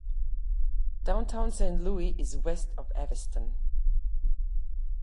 Downtown Saint Louis is west of Aviston.